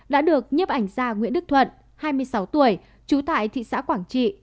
đã được nhếp ảnh ra nguyễn đức thuận hai mươi sáu tuổi chú tại thị xã quảng trị